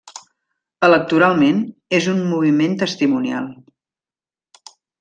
Electoralment, és un moviment testimonial.